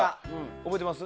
覚えてます？